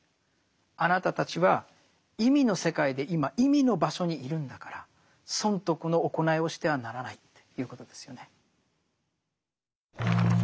あなたたちは意味の世界で今意味の場所にいるんだから損得の行いをしてはならないということですよね。